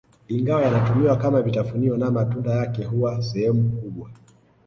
Ingawa yanatumiwa kama vitafunio na matunda yake huwa sehemu kubwa